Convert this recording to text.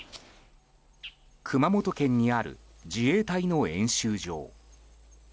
熊本県にある自衛隊の演習場。